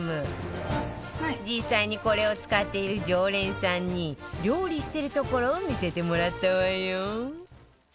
実際にこれを使っている常連さんに料理してるところを見せてもらったわよ